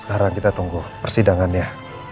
sekarang kita tunggu persidangannya